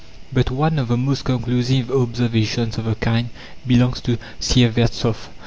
But one of the most conclusive observations of the kind belongs to Syevertsoff.